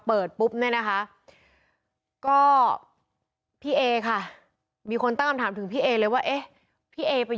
เปิดปุ๊บนี้นะคะพี่เอไป